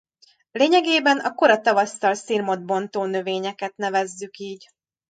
Lényegében a kora tavasszal szirmot bontó növényeket nevezzük így.